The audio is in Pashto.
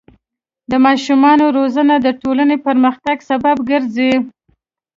د ماشومانو روزنه د ټولنې پرمختګ سبب ګرځي.